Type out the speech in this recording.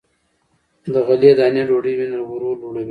له غلې- دانو ډوډۍ وینه ورو لوړوي.